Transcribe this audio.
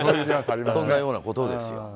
そんなようなことですよ。